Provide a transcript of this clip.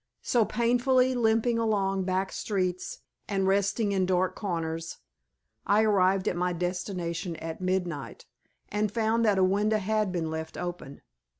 So, painfully limping along back streets and resting in dark corners, I arrived at my destination at midnight, and found that a window had been left open.